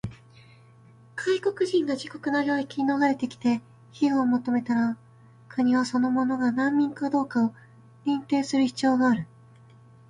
外国人が自国の領域に逃れてきて庇護を求めたら、国はその者が難民かどうかを認定する必要がある。